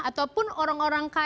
ataupun orang orang kaya